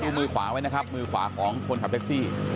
มือขวาไว้นะครับมือขวาของคนขับแท็กซี่